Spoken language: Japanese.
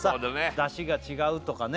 出汁が違うとかね